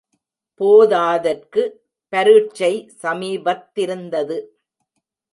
போதாதற்கு பரீட்சை சமீபத்திருந்தது.